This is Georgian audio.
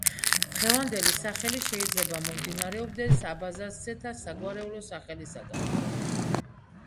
დღევანდელი სახელი შეიძლება მომდინარეობდეს აბაზასძეთა საგვარეულო სახელისაგან.